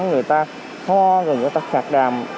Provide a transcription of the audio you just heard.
người ta ho người ta khạc đàm